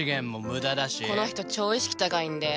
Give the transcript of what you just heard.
この人超意識高いんで。